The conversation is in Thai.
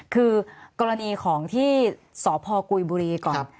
คือกรณีของที่สพกุยบุรีก่อน